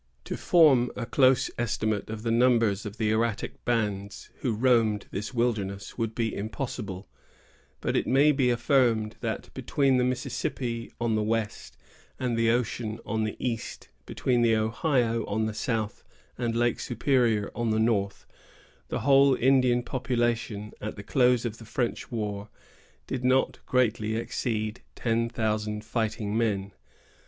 To form a close estimate of the numbers of the erratic bands who roamed this wilderness would be impossible; but it may be affirmed that, between the Mississippi on the west and the ocean on the east, between the Ohio on the south and Lake Superior on the north, the whole Indian population, at the close of the French war, did not greatly exceed ten thousand fighting men.